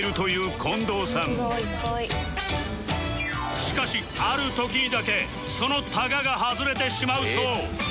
しかしある時だけそのタガが外れてしまうそう